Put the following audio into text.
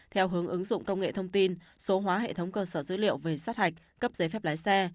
theo hướng ứng dụng công nghệ thông tin số hóa hệ thống cơ sở dữ liệu về sát hạch cấp giấy phép lái xe